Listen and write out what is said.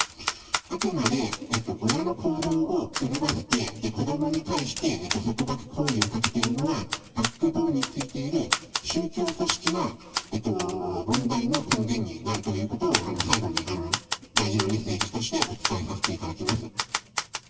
あくまで親の行動を狂わせて、子どもに対して、束縛行為をかけているのは、バックボーンについている宗教組織が問題の根源になるということを、最後に大事なメッセージとして、お伝えさせていただきます。